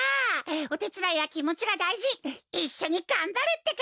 おてつだいはきもちがだいじいっしょにがんばるってか！